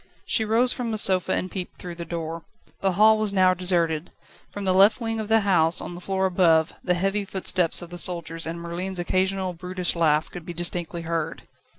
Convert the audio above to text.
She rose from the sofa, and peeped through the door. The hall was now deserted; from the left wing of the house, on the floor above, the heavy footsteps of the soldiers and Merlin's occasional brutish laugh could be distinctly heard.